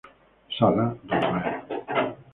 Sala, Rafael.